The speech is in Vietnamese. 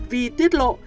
vy tuyết lộ